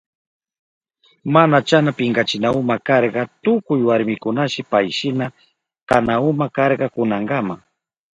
Mana chasna pinkachinahuma karka tukuy warmikunashi payshina kanahuma karka kunankama.